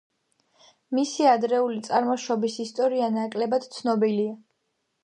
მისი ადრეული წარმოშობის ისტორია ნაკლებად ცნობილია.